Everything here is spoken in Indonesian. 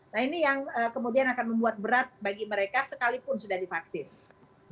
nah ini yang kemudian akan membuat berat bagi mereka sekalipun sudah divaksin